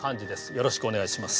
よろしくお願いします。